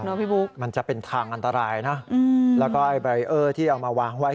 พี่บุ๊คมันจะเป็นทางอันตรายนะอืมแล้วก็ไอ้ใบเออร์ที่เอามาวางไว้